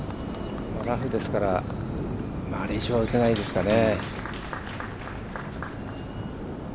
ラフですからあれ以上は打てないですかね。